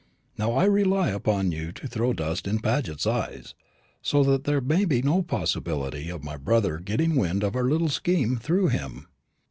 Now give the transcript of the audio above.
Now, I rely upon you to throw dust in Paget's eyes, so that there may be no possibility of my brother getting wind of our little scheme through him."